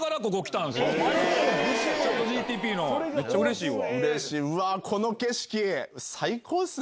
めっちゃうれしいわ。